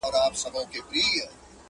رساوه چي به یې مړی تر خپل ګوره،